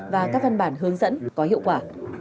và các văn bản hướng dẫn có hiệu quả